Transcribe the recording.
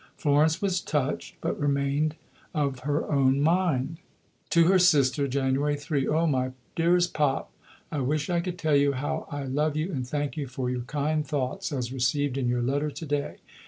Florence was touched, but remained of her own mind: (To her sister.) January 3. Oh, my dearest Pop, I wish I could tell you how I love you and thank you for your kind thoughts as received in your letter to day.